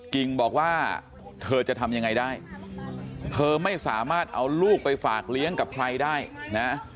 กิ่งบอกว่าเธอจะทำยังไงได้เธอไม่สามารถเอาลูกไปฝากเลี้ยงกับใครได้นะ